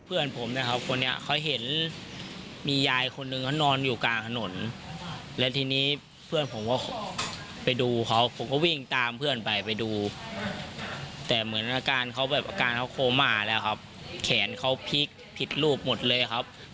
เรียงไปเพื่อที่จะไม่ทับเขาครับ